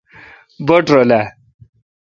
بٹ رل آ